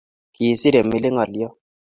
Kisiir Emily ngolyot